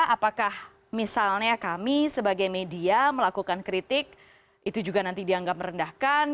apakah misalnya kami sebagai media melakukan kritik itu juga nanti dianggap merendahkan